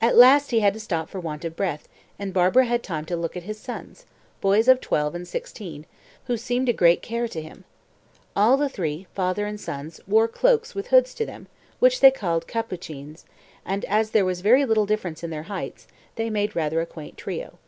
At last he had to stop for want of breath, and Barbara had time to look at his sons boys of twelve and sixteen who seemed a great care to him. All the three, father and sons, wore cloaks with hoods to them, which they called capucines, and as there was very little difference in their heights, they made rather a quaint trio.